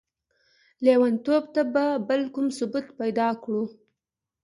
ليونتوب ته به بل کوم ثبوت پيدا کړو؟!